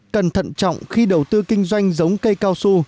cần thận trọng khi đầu tư kinh doanh giống cây cao su